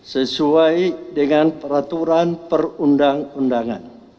sesuai dengan peraturan perundang undangan